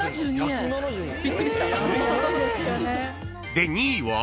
［で２位は？］